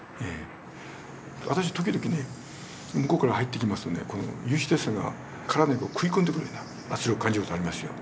私時々向こうから入ってきますとこの有刺鉄線が体に食い込んでくるような圧力感じる事がありますよ。